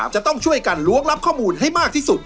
จะต้องช่วยกันล้วงรับข้อมูลให้มากที่สุด